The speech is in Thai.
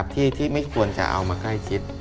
ที่ไม่ควรจะเอามาใกล้ชิด